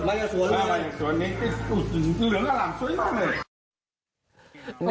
ไม่จากสวนทหารอมรึหรหนังโซนมากเลย